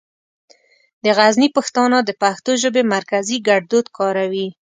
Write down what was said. د غزني پښتانه د پښتو ژبې مرکزي ګړدود کاروي.